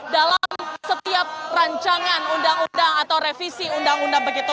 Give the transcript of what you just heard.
dalam setiap rancangan undang undang atau revisi undang undang begitu